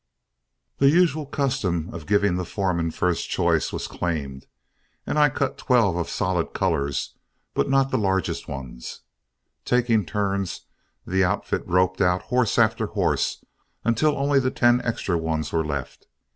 The usual custom of giving the foreman first choice was claimed, and I cut twelve of solid colors but not the largest ones. Taking turns, the outfit roped out horse after horse until only the ten extra ones were left.